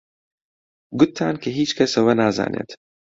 گوتتان کە هیچ کەس ئەوە نازانێت